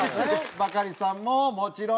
バカリさんももちろん。